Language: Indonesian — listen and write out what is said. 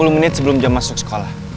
tiga puluh menit sebelum dia masuk sekolah